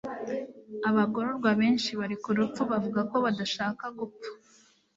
Abagororwa benshi bari ku rupfu bavuga ko badashaka gupfa